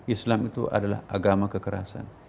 islam itu adalah agama kekerasan